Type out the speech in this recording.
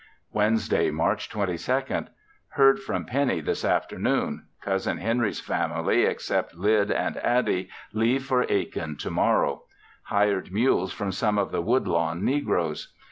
Wednesday, March 22nd. Heard from Pennie this afternoon. Cousin Henry's family, except Lyd and Attie, leave for Aiken tomorrow; hired mules from some of the Woodlawn negroes.